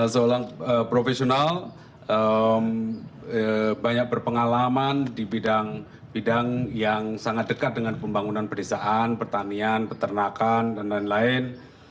seorang profesional banyak berpengalaman di bidang bidang yang sangat dekat dengan pembangunan pedesaan pertanian peternakan dan lain lain